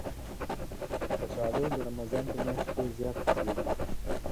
کچالو د رمضان په میاشت کې زیات پخېږي